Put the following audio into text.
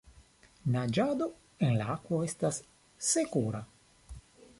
Naĝado en la akvo estas sekura.